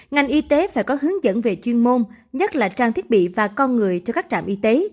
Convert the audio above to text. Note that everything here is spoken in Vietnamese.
ngành y tế phải có hướng dẫn về chuyên môn nhất là trang thiết bị và con người cho các trạm y tế